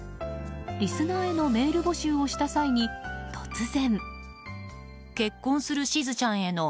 リスナーへのメール募集をした際に突然。